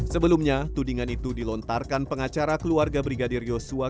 sebelumnya tudingan itu dilontarkan pengacara keluarga brigadir yosua